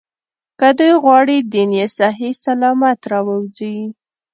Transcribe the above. که دوی غواړي دین یې صحیح سلامت راووځي.